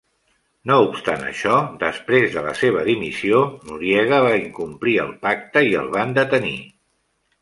No obstant això, després de la seva dimissió, Noriega va incomplir el pacte i el van detenir.